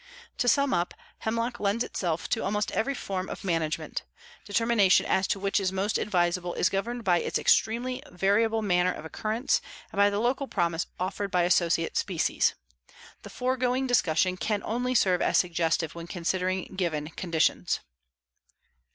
To sum up, hemlock lends itself to almost every form of management. Determination as to which is most advisable is governed by its extremely variable manner of occurrence and by the local promise offered by associate species. The foregoing discussion can only serve as suggestive when considering given conditions.